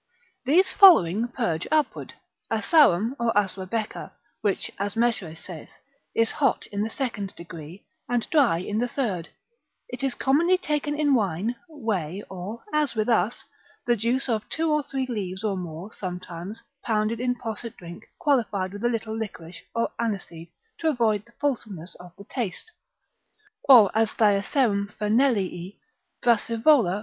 These following purge upward. Asarum, or Asrabecca, which, as Mesue saith, is hot in the second degree, and dry in the third, it is commonly taken in wine, whey, or as with us, the juice of two or three leaves or more sometimes, pounded in posset drink qualified with a little liquorice, or aniseed, to avoid the fulsomeness of the taste, or as Diaserum Fernelii. Brassivola in Catart.